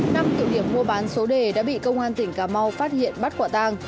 năm tiệm điểm mua bán số đề đã bị công an tỉnh cà mau phát hiện bắt quả tang